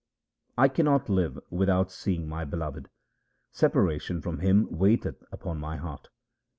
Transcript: I cannot live without seeing my Beloved ; separation from Him weigheth upon my heart.